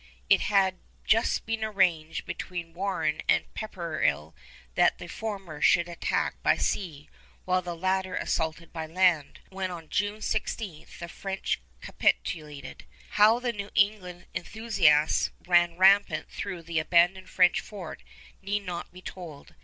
It had just been arranged between Warren and Pepperrell that the former should attack by sea while the latter assaulted by land, when on June 16 the French capitulated. How the New England enthusiasts ran rampant through the abandoned French fort need not be told.